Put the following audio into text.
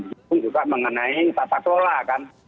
itu juga mengenai tata kelola kan